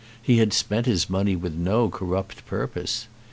He had spent his money with no corrupt purpose.